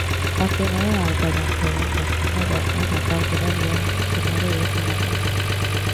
Պատկերների արձագանքներում նշվում է, որ այն հաճախ գունեղ է և գեղատեսիլ։